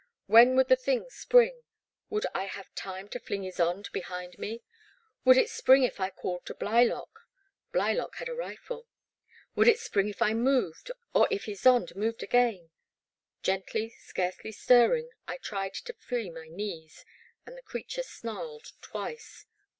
When would the thing spring ? Would I have time to fling Ysonde behind me? Would it spring if I called to Blylock? Blylock had a rifle. Would it spring if I moved, or if Ysonde moved again ? Gently, scarcely stirring, I tried to free my knees, and the creature snarled twice.